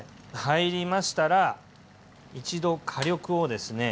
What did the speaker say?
入りましたら一度火力をですね